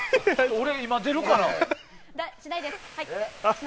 俺今、出るかな。